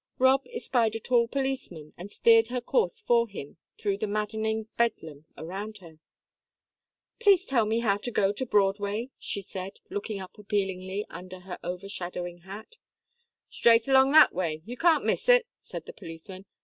Rob espied a tall policeman and steered her course for him through the maddening bedlam around her. "Please tell me how to go to Broadway?" she said, looking up appealingly under her over shadowing hat. "Straight along that way you can't miss it," said the policeman.